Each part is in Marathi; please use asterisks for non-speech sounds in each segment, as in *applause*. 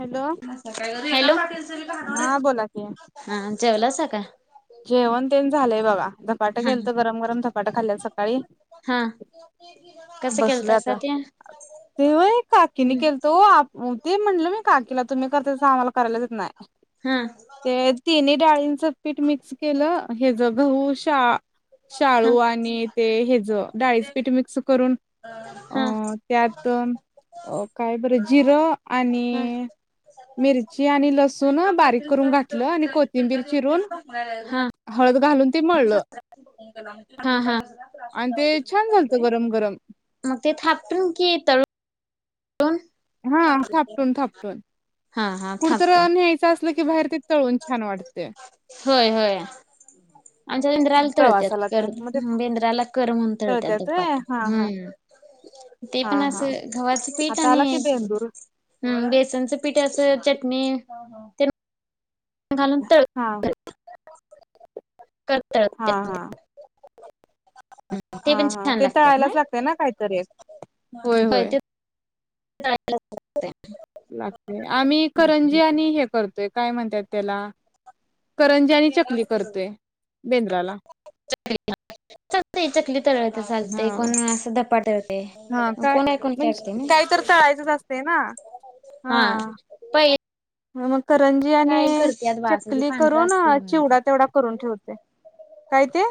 हॅलो हॅलो बोला की हा जेवला सा का? जेवण तेण झालंय बाघा धपाटं हा केेलत गरम गरम धपाट खाल्ल्यात सकाळी. हा कसं बसलोय केलता सा आता ते? ते व्हय काकीने हा केलंत ओ, आं अं ते म्हणलं मी. काकीला तुम्ही करता तस, आम्हाला करायलाच येत नाही. हा ते तिन्ही डाळींचं पीठ मी केलं हेज गहू शा शाळू आणि ते हेज डाळीच पीठ मिक्स करून. हा अं त्यात काय बरं जिरं हा आणि मिरची आणि लसूण बारीक करून घातलं आणि कोथिंबीर चिरून हळद घालून ते मळलं. हा. हा. आणि ते छान झालत गरम गरम मग ते थापटून की तळून. हा थापटून-थापटून हा हा कुठतर थापटून न्यायचं अस की बाहेर ते तळून छान वाटते. होय-होय. आमच्या बेंद्राला तळत्यात, प्रवासाला ते कर मग ते बेंद्राला कर म्हणून तळतात तळत्यात होय धपाट हा हा हम्म. ते हा पण हा असं गव्हाच पीठ आता आणि आला की बेंदूर हम्म बेसनचं पिठ, असं चटणी तेन घालून हा तळतात. हा तळत्यात. हा ते हा पण हा छान ते लागत्यात तळायलाच नाय, लागतय ना काहीतरी एक होय ते *unintelligible* लागतेय, आम्ही करंजी आणि हे करतोय काय म्हणतात त्याला करंजानी आणि चकली करतोय बेंद्राला. चालतय, चकली तळतर हा चालतय, कोण अस धपाटं ते हा काय कोण ऐकूण ते ऐक्तय म्हणजे वय काही तर तळायचंच असते ना हा पै. मग करंजी आणि चकली पांढरा करून, असते बघा ते चिवडा तेवढा करून ठेवतोय. काय ते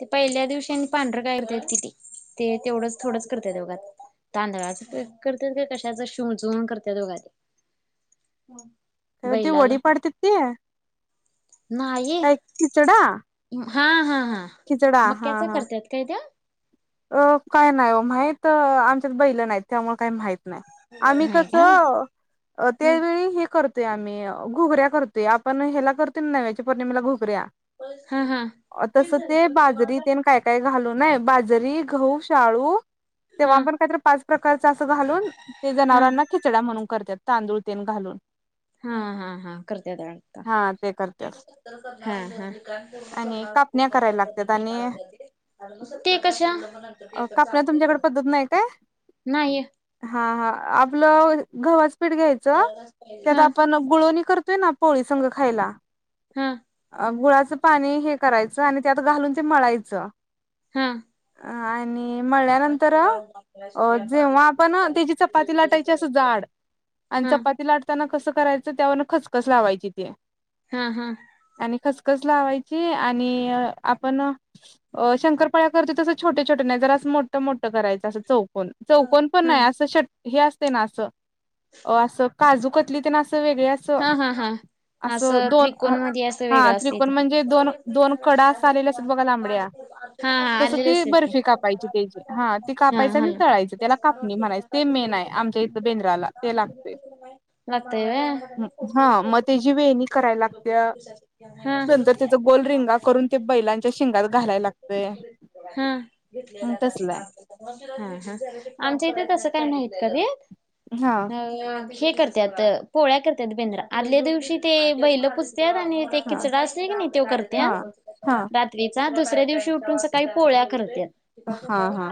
ते पहिल्या दिवशीन पांढरं कारत्याती ते तेवढंच थोडंच करत्यात बघा ते तांदळाच पीठ करत्यात काय कशाच शिजवून करत्यात बघायच. हो ती वडी पडतात ती नाही काय खिचडा हा हा हा मक्याच्या करत्यात काय त्या. अं काय नाय ओ माहित आमच्यात बैलं न्हाइत त्यामुळे काय माहित नाही आम्ही नाही कस का अं त्यावेळी हे कर ते आम्ही घुगऱ्या करतोय आपण ह्याला करतो ना नव्याच्या पौर्णिमेला घुगऱ्या. हा हा हा तस ते बाजरी तेेन काय काय घालून बाज जरी, गहु, शाळू हा तेव्हा पण काहीतरी पाच प्रकारच असं घालून ते हा जनावरांना खिचडा म्हणून करत्यात. तांदूळतेन घालून. हां हां हां करत्यात वाढत. हा ते करत्यात हां हां. आणि कापण्या करायला लागतात आणि ते कशा कापण्या तुमच्याकडे पद्धत नाही काय नाही हा हा आ आपलं गव्हाच पीठ घ्यायचं त्यात हा हा आपण गुळोणी करतोय ना पोळीसंगं खायला हा गुळाचं पाणी हे करायचं आणि त्यात घालून मळायचं. हां. हा आणि आणि मळल्यानंतर ह अ जेव्हा आपण त्याची चपाती लाटायची असं जाड. आणि हा चपाती लाटताना कसं करायचं, त्यावरन खचखस लावायची तीया हा हा. खसखस लावायची, आणि आपण अ शंकरपाळे. तसं छोटे, छोटे नाही जर असं मोठं, मोठं करायचं असं चौकन चौकन पण हा नाही असं षटकोन हे असते ना, असं असं काजू कतली तर ना, असं वेगळे असं हा हा हा असं दोन अ त्रिकोण मध्ये असं हा वेगळं असते त्रिकोण ते म्हणजे दोन, दोन कडा आलेले असत बघा लांबड्या. *unintelligible* हा. तसं आलेले ती असेल की बर्फी कापायची त्याची, हा ती हा कापायची हा आणि तळायची त्याला कापणी म्हणायच, ते मेन आहे आम आमच्या इथ बेंद्राला ते लागतेय. लागतय व्हय हा. मग तेची वेणी करायला लागत्या. हा हा नंतर त्याच गोल रिंगा करून ते बैलांच्या शेंगात, घालायला लागतयं. *unintelligible* ह आमच्या इथे तस काय नाही. *unintelligible* हा अ हे करत्यात पोळ्या कर त्यात बिंद्रा आदल्या दिवशी ते बैलं पूजत्यात. *unintelligible* त अग नी ती हा खिचडा असं की नही त्यो हा करत्या हा रात्रीचा दुसऱ्या दिवशी *unintelligible* ते उठून. सकाळी पोळ्या करत हा हा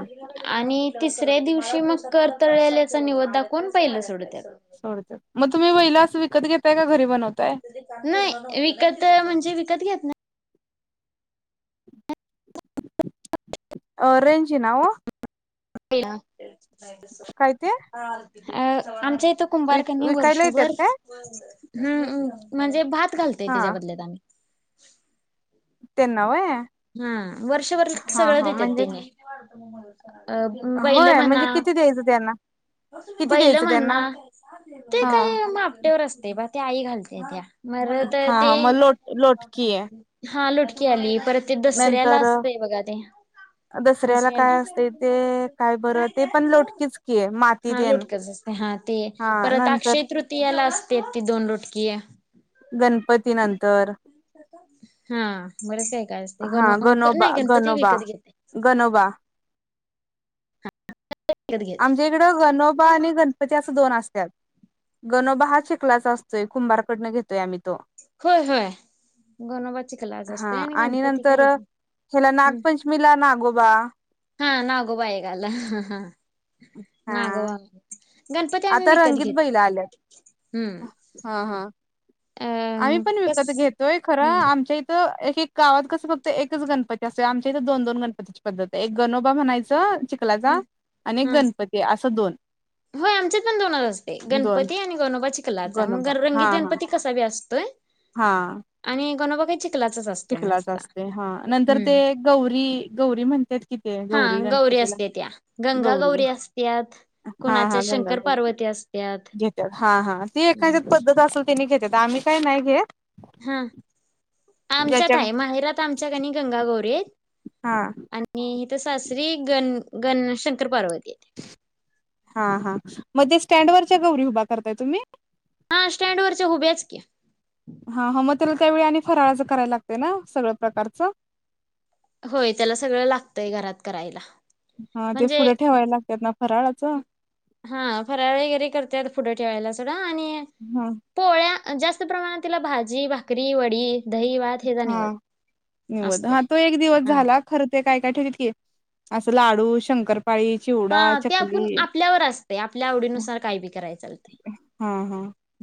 आणि तिसऱ्या दिवशी मग करतळल्याचा नैवेद दाखवून बैल सोडत्यात. सोडत मग तुम्ही बैलं असं विकत घेतताय, का घरी बनवत. नाही विकत म्हणजे विकत घेत न ई *unintelligible* अ रेंज हे ना व काय ते *unintelligible* अ आमच्या इथं विक कुंभारकनी विकायला वर्षभर येतात काय हम्म म्हणजे भात घालतय, हा त्याच्या बदलत आम्ही *inaudible* त्यांना व्हय हा वर्षभर सगळं देतात म्हणजे तेने. अ बैल, होय म्हणा म्हणजे किती द्यायचं त्यांना किती बैल, द्यायचं म्हणा. त्यांना ते हा काही मापट्यावर असते बा ते आई घालते त्या. मर त *inaudible* र हा ते हा मग लोट लोटकी आहे हा लुटकी आली परत. ते दुसऱ्याला नंतर असतयं बघा ते. दसऱ्याला दसऱ्या काय असते ते काय बरं ते पण लोटकीच की आहे माती हा तेन लुटकचं *unintelligible* *unintelligible* हा ते हा परत नंतर अक्षय तृतीयाला असते ती दोन रोटकीयां. गणपती नंतर. हा बरचं काही काय असते गन हा अंक नाही गणपती विकत घेते. नबा *unintelligible* विकत घेते आमच्या इकडें. गणोबा आणि गणपती, असं दोन असतात गणोबा, हा चिखलाचा अस कुंभार कडण घेतोय आम्ही तो. होय, होय. गणोबाची क्लास हा असतोय आणि गणपती नंतर काय ह्याला हम्म नागपंचमीला नागोबा. हा नागोबा आहे निघाला. हा नागोबा. गणपती आम्ही आता विकत रंगीत घेतो बैला आल्यात हम्म हा हा. अ आम्ही पण कस विकत घेतोय खरं हम्म आमच्या इथं गावात कसं फक्त एकच गणपती असतोय, आमच्या इथे दोन दोन गणपतीची पद्धत आहे एक गणोबा म्हणायचं आणि चिखलाचा हम्म आणि हा गणपती असं दोन. होय आमच्यात पण दोनच असते, दोन गणपती आणि गणोबा चिखलाचा मग गणोबा हा रंगीत हा गणपती कसा बी असतोय. आणि गणोबा काही चिखलाचाच असतोय चिखलाचा नुसता असतोय हा, नंतर ते हम्म गौरी-गौरी म्हणत्यात कि ते गौरी गणपती. असत्या त्या गंगा गौरी असत्यात. हा कोणाच्या हा गंगा शंकर गौरी पार्वती असत्यात घेतात, हा हा ते एखाद्याच पद्धत अस तेनी घेतात, आम्ही काही नाही घेत. हा आमच्यात ज्याच्या आहे. माहेरात आमच्याकनी गंगागौरी आहेत. हा. आणि सासरी गण्-गण् शंकर पार्वती. आहेत. हा हा मग ते स्टँडवरच्या गौरी उभा करताय तुम्ही! हा स्टँड वरच्या उभ्याच की. हा मग त्याला त्यावेळी आणि फराळाचं करायला लागते ना सगळं प्रकारच? होय त्याला सगळं लागतय घरात करायला. हा ते म्हणजे पुढे ठेवायला लागतात ना फराळाचं? हा फराळ वगैरे करतात. पुढं ठेवायला सुद्धा. हम. जास्त प्रमाणात तिला भाजी, भाकरी, वडी. दही, भात हेचा हा निवद निवैद. असतोय. हा तो एक दिवस हा झाला खर ते काय काय ठेवतात की. असं लाडू, शंकर हा ते आपूण आपल्यावर असतय, आपल्या आवडीनुसार काही बी कराय चालत हा हा.,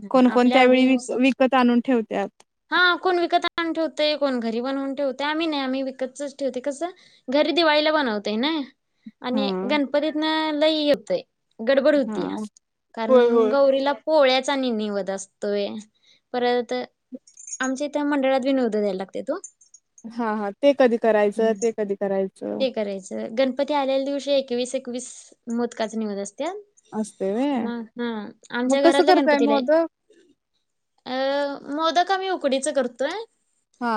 कोण कोण त्यावेळी वी आवडीनुसार -विकत आणून ठेवत्यात. हा, कोण विकत आणून ठेवतय कोण घरी बनवून ठवतय. आम्ही नाही आम्ही विकतच ठेवतय कसं, घरी दिवाळीला बनवतय नई. हा आणि गणपतीतन लई येतय. गडबड हा हुत्या. होय कारण होय. गौरीला पोळ्याचा नि निवद असतोय. परत आमच्या इथ मंडळात बी निवद द्यायला लागत्यात ओ. हा हा ते कधी करायचं, ते कधी करायचं ते करायचं. गणपती आलेल्या दिवशी एकवीस एकवीस मोदकाचा निवद अस त्यात. असतय म व्हय हा मग आमच्या कसं घरातल्या करताय गणपतीला मोदक? अ- मोदक आम्ही उकडीच करतोय. हा,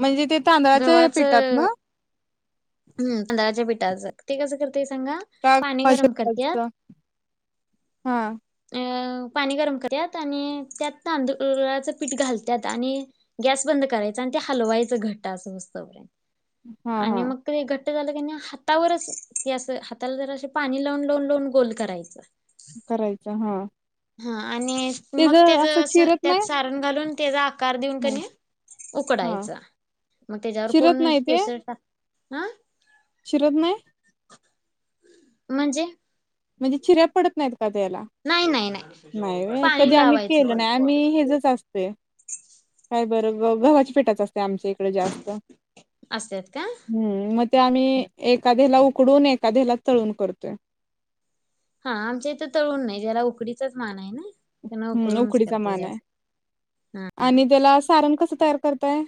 म्हणजे ते तांदळाचे पिठात गव्हाचं ना? हम्म तांदळाच्या पिठाचं. ते कसं कर तय सांगा? का पाणी गव्हाच्या गरम करत्यात, पिठाचं? हा अ पाणी गरम करत्यात आणि त्यात तांदुळाचं पीठ घालत्यात आणि गॅस बंद करायच आणि ते हलवायचं घट्ट असं होऊस्तपर्यंत. हा हा. ते घट्ट झालं कनी, हातावरच हे अस हाताला जरा अस पाणी लावून लावून लावून गोल करायच. करायच हा. हा आणि ते मग जर तेज असं, चिरत नाही त्यात सारण घालून तेज आ आकार देऊन हा कनी हा उकडायचा. मग तेज्यावर चिरत कोण केशर टाक आं? शिरद नाइ? म्हणजे? म्हणजे चिऱ्या पडत नाहीत त्याला. नाही नाही नाय नाही व्हय, कधी पाणी आम्ही लावायचं केलं नाही. आम्ही त्याला हेचच असतय बर गव्हाच्या पिठाच असतय आमच्या इकडे जास्त. असत्यात का हम्म मग ते आम्ही एखाद्याला उकडून, एखाद्याला तळून करतोय. हा आमच्या इथं तळून नई, ज्याला उकडीचाच मान हाय नई. हम्म उकडीचा मान हाय हा आणि त्याला सारण कस तयार करता ताय.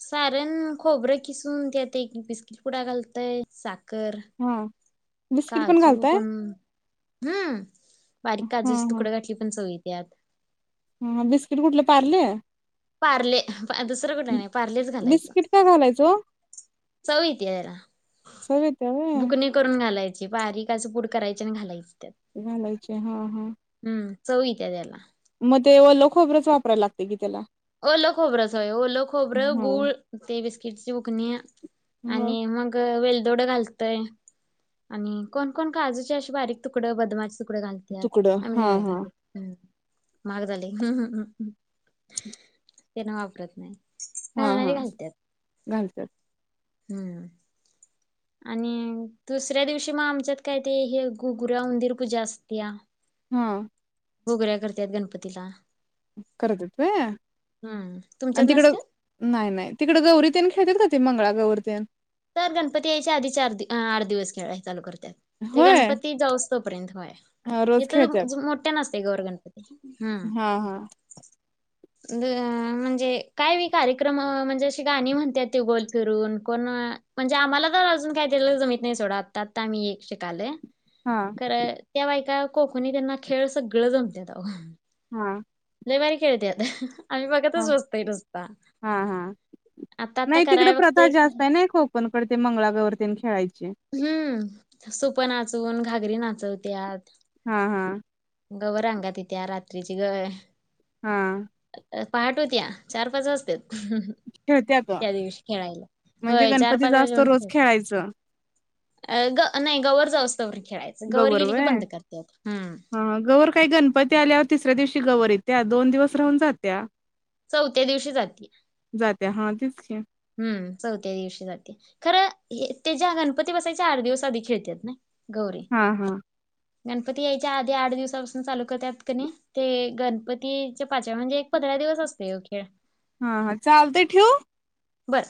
सारण, खोबरं खीसून त्यात एक बिस्किट पुडा घालतय. सा हा. बिस्किट काजू घालताय पण, हम्म बारीक हा काजूच हा तुकड घातली पण चव येती. यात. हा बिस्किट कुठले पारले. पार्ले बा दुसरं कुठलं नाही पार्लेच घालायचं. बिस्किट का घालायचो चव इती जरा चव येत्या व्हय. बुकणे करून घालाय- चे बारीक अस पूड करायची आणि घालायची. त्यात घालायची हा हा. हम्म चव इत्या त्याला. म ते वल्लखोबरच वापराय लागते कि त्याला. ओल खोबरं होय ओल खोबरं हा गूळ ते बिस्किटची बुकणी आणि हा मग वेल दोड घालतय आणि कोण कोण काजूचे अशे बारीक तुकड बदमाचे तुकडे घालत्यात तुकडं आम्ही हा नाही बा हा घालीत हुं महाग झालेत. त्यांना वापरत नाही. हा हा घालणारे घालत्यात घलत्यात. हम्म. आणि दुसऱ्या दिवशी मग आमच्यात काय ते हे घुगऱ्या उंदीर पूजा असत्या हम. घूगऱ्या करत्यात गणपतीला. करत्यात व्हय हम्म आणि तुमच्यात तिकड नसत्यात? नाही नाही तिकड गौरी खेळतात का ते मंगळा गौर त्या. तर गणपती यायच्या आधी चार आठ दिवस खेळा चालू करतात ते होय गणपती जाऊस तोपर्यंतय होय हा, रोज इथ खेळतात. मोठ्या नसते गौर गणपती. हम्म हा हा. ब अ म्हणजे काय बी कार्यक्रम ह म्हणजे अशी गाणी म्हणत्यात ती गोल फीरून कोण म्हणजे आम्हाला पण अजून काही दि जमीत नाही सोडा आत्ता आता आम्ही एक शिकाले. हा खर त्या बायका कोकणी त्यांना खेळ सगळं जमत अहो. हा त्या बाई खेळत्यात आम्ही हा बघतच बसतोय नुसता. हा हा. आता आता नाही तिकड कराय प्रथा बघतोय जास्त आहे ना कोकणकड ते मंगळा गौर न ते खेळायची. हम्म सूप नाचून घागरी नाचवत्यात. हा हा. गवर अंगात येत्या रात्रीची ग. हा. पहाट होत्या चार पाच वाजत्यात. खेळत्यात त्या दिवशी खेळायला म्हणजे होय चार पाच गणपतीचा असतो वाजेपर्यंत रोज खेळतात. खेळायचं. अ ग नाही गवर जाऊस गवर व्हय हम्म. हा गौर काय गणपती आल्यावर तिसऱ्या दिवशी शी गवर येत्या दोन दिवस राहून जात्या. चौथ्या दिवशी जाती. जात्या हा तेच की हम्म चौथ्या दिवशी जाते खरं हे ते ज्या गणपती बसायच्या आठ दिवस आधी खेळत्यात ना. गौरी. हा हा. गणपती यायच्या आधी आठ दिवसापासून चालू करत्यात क नई ते गणपतीच्या पाचव्या म्हणजे एक पंधरा दिवस असतो यो खेळ. हा हा चालत ठेऊ. बरं